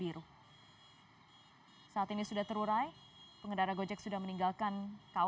baru saja terjadi bentrokan antara sekelompok pengendara gojek dengansekan pasang b ohio